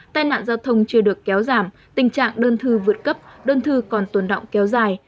tai nạn giao thông chưa được kéo giảm tình trạng đơn thư vượt cấp đơn thư còn tồn động kéo dài